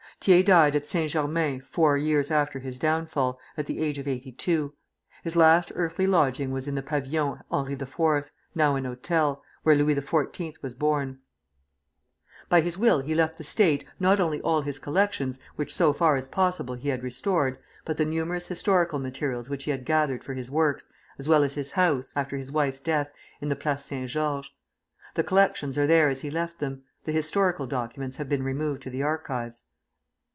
Thiers died at Saint Germains four years after his downfall, at the age of eighty two. His last earthly lodging was in the Pavilion Henri IV. (now an hotel), where Louis XIV. was born. By his will he left the State, not only all his collections, which so far as possible he had restored, but the numerous historical materials which he had gathered for his works, as well as his house, after his wife's death, in the Place Saint Georges. The collections are there as he left them; the historical documents have been removed to the Archives.